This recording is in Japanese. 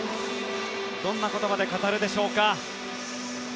どんな言葉で語るでしょうか。